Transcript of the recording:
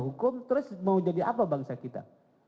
hukum terus mau jadi apa bangsa kita